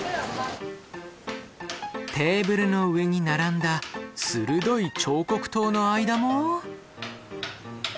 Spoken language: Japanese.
テーブルの上に並んだ鋭い彫刻刀の間も。